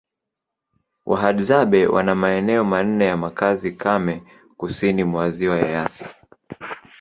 Wahadzabe wana maeneo manne ya makazi kame kusini mwa Ziwa Eyasi